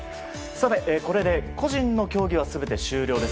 これで個人の競技は全て終了です。